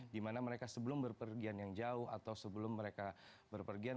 dimana mereka sebelum berpergian yang jauh atau sebelum mereka berpergian